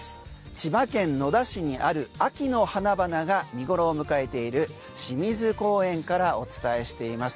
千葉県野田市にある秋の花々が見頃を迎えている清水公園からお伝えしています。